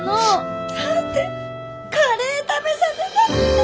だってカレー食べさせたくて！